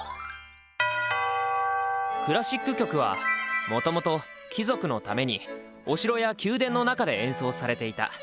クラシック曲はもともと貴族のためにお城や宮殿の中で演奏されていた。